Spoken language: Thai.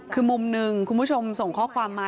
คือมุมหนึ่งคุณผู้ชมส่งข้อความมา